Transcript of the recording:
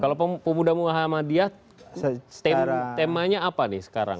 kalau pemuda muhammadiyah temanya apa nih sekarang